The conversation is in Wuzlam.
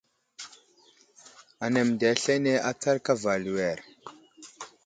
Anaŋ məndiya aslane atsar kava aliwer.